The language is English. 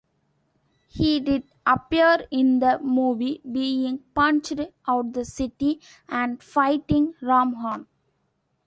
He did appear in the movie being punched out the city and fighting Ramhorn.